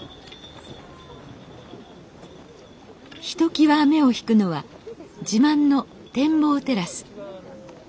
ひときわ目を引くのは自慢の展望テラス。